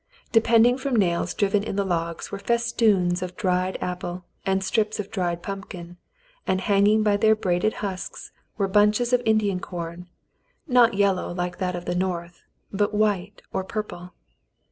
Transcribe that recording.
Depending from nails driven in the logs were fes toons of dried apple and strips of dried pumpkin, and hanging by their braided husks were bunches of Indian corn, not yellow like that of the north, but white or purple.